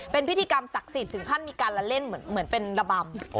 เป็นพิธีกรรมศักดิ์สิทธิ์ถึงขั้นมีการละเล่นเหมือนเป็นระบำ